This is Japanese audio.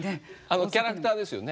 あのキャラクターですよね？